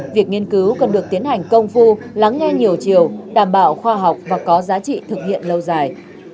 việc nghiên cứu cần được tiến hành công phu lắng nghe nhiều chiều đảm bảo khoa học và có giá trị thực hiện lâu dài